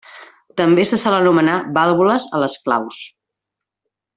També se sol anomenar vàlvules a les claus.